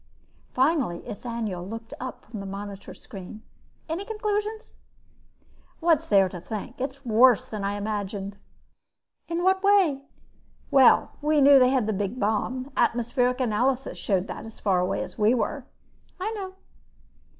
Finally Ethaniel looked up from the monitor screen. "Any conclusions?" "What's there to think? It's worse than I imagined." "In what way?" "Well, we knew they had the big bomb. Atmospheric analysis showed that as far away as we were." "I know."